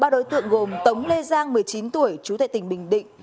ba đối tượng gồm tống lê giang một mươi chín tuổi chú tệ tình bình định